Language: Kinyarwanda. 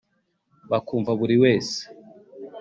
bakumva buri wese